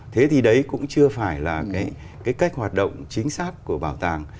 thế thì đấy cũng chưa phải là cái cách hoạt động chính xác của bảo tàng